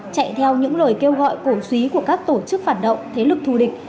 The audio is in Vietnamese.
chạy theo những lời kêu gọi cổ suý của các tổ chức phản động thế lực thù địch